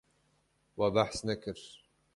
We behs nekir.